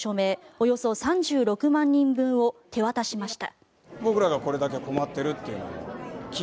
およそ３６万人分を手渡しました。